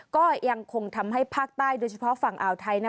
ก็ยังคงทำให้ภาคใต้โดยเฉพาะฝั่งอ่าวไทยนะ